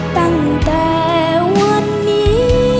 ตั้งแต่วันนี้